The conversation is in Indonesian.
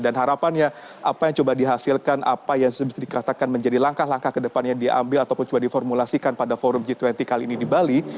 dan harapannya apa yang coba dihasilkan apa yang sudah dikatakan menjadi langkah langkah kedepannya diambil ataupun coba diformulasikan pada forum g dua puluh kali ini di bali